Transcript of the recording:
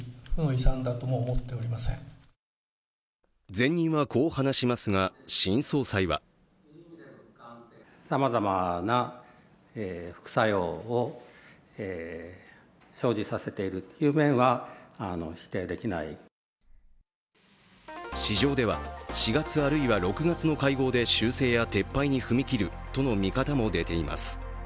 前任はこう話しますが、新総裁は市場では４月あるいは６月の会合で修正や撤廃に踏み切るとの見方も出ています。